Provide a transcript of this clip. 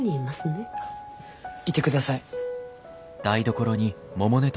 いてください。